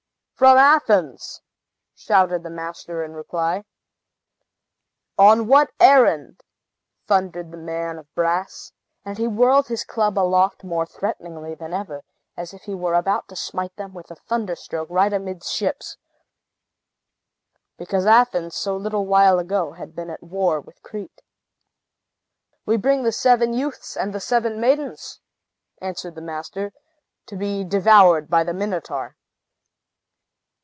"From Athens!" shouted the master in reply. "On what errand?" thundered the Man of Brass. And he whirled his club aloft more threateningly than ever, as if he were about to smite them with a thunderstroke right amidships, because Athens, so little while ago, had been at war with Crete. "We bring the seven youths and the seven maidens," answered the master, "to be devoured by the Minotaur!"